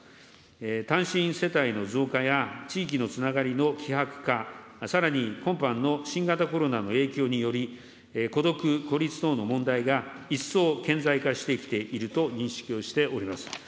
単身世帯の増加や、地域のつながりの希薄化、さらに今般の新型コロナの影響により、孤独・孤立等の問題が一層顕在化してきていると認識をしております。